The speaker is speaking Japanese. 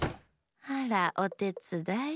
あらおてつだい？